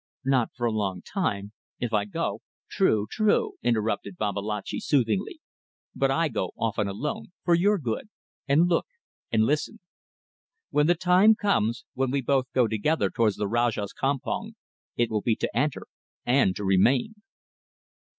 "Not for a long time. If I go ..." "True! true!" interrupted Babalatchi, soothingly, "but I go often alone for your good and look and listen. When the time comes; when we both go together towards the Rajah's campong, it will be to enter and to remain."